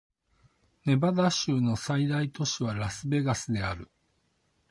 ネバダ州の最大都市はラスベガスである